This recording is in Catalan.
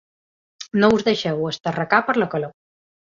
No us deixeu esterrecar per la calor.